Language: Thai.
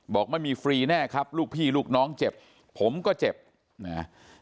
บอกไม่มีฟรีแน่ครับลูกพี่ลูกน้องเจ็บผมก็เจ็บนะฮะ